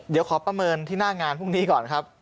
เดี๋ยวขอประเมินที่หน้างานพรุ่งนี้ก่อนครับ